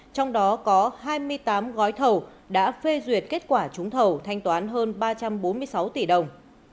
trong đó có hai mươi tám gói thầu đã phê duyệt kết quả trúng thầu thanh toán hơn ba trăm bốn mươi sáu tỷ đồng